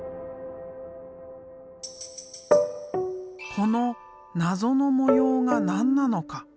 この謎の模様が何なのか？